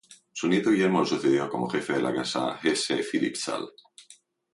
Su nieto Guillermo lo sucedió como jefe de la Casa de Hesse-Philippsthal.